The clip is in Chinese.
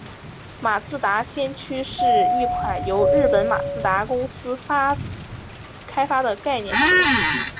马自达先驱是一款由日本马自达公司开发的概念车。